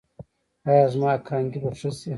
ایا زما کانګې به ښې شي؟